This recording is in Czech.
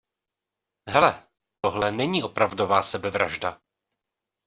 Hele, tohle není opravdová sebevražda.